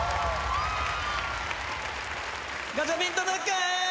ガチャピンとムック！